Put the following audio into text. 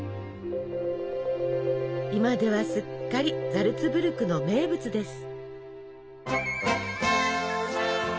今ではすっかりザルツブルクの名物です。